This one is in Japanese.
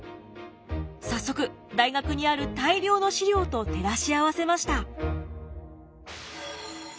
早速大学にある大量の資料と照らし合わせました。